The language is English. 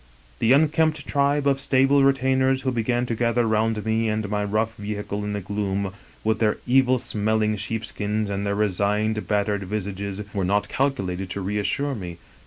"The unkempt tribe of stable retainers who began to gather round me and my rough vehicle in the gloom, with ii8 Egerton Castle their evil smelling sheepskins and their resigned, battered visages, were not calculated to reassure me.